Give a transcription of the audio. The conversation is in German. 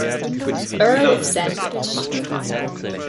Earl of Sandwich.